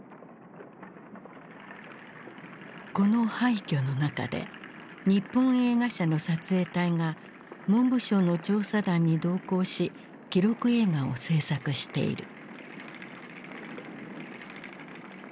この廃虚の中で日本映画社の撮影隊が文部省の調査団に同行し記録映画を製作している。